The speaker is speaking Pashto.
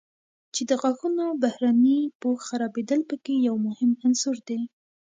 چې د غاښونو بهرني پوښ خرابېدل په کې یو مهم عنصر دی.